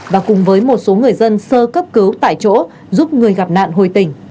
và cùng với một số người dân sơ cấp cứu tại chỗ giúp người gặp nạn hồi tình